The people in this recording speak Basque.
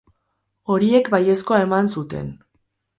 Horiek baiezkoa eman zuten.